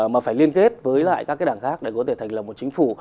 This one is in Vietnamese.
mà phải liên kết với lại các cái đảng khác để có thể thành lập một chính phủ